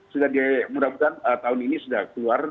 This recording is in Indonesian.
sudah di murah murah tahun ini sudah keluar